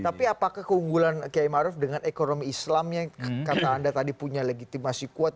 tapi apakah keunggulan kiai maruf dengan ekonomi islam yang kata anda tadi punya legitimasi kuat